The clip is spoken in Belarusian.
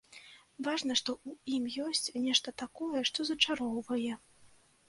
Важна, што ў ім ёсць нешта такое, што зачароўвае.